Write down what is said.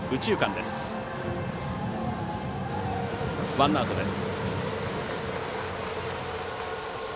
ワンアウトです。